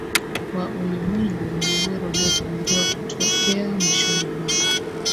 wa ulimwengu mgogoro uliotabiriwa kutokea mwishoni mwa